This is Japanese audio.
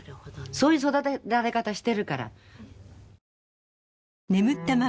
そういう育てられ方してるから。